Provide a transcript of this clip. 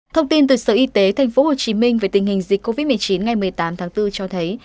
thông tin từ sở y tế tp hcm về tình hình dịch covid một mươi chín ngày một mươi tám tháng bốn cho thấy